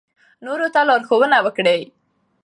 نورو ته لارښوونه وکړئ.